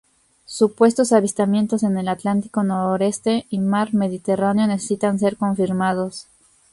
Supuestos avistamientos en el Atlántico noreste y mar Mediterráneo necesitan ser confirmados.